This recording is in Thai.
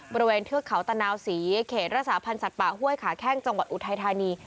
เทือกเขาตะนาวศรีเขตรักษาพันธ์สัตว์ป่าห้วยขาแข้งจังหวัดอุทัยธานี